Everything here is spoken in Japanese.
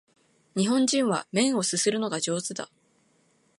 日本人は麺を啜るのが上手だ